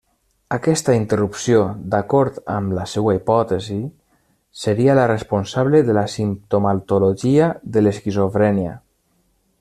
Aquesta interrupció, d'acord amb la seua hipòtesi, seria la responsable de la simptomatologia de l'esquizofrènia.